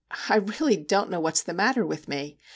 * I really don't know what 's the matter with me.